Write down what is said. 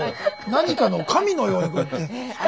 何かの神のようにこうやって。